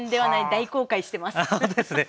大公開してます。ですね。